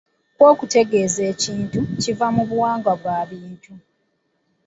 Ko okutegeeza ekintu, kiva mu buwangwa bwa bintu.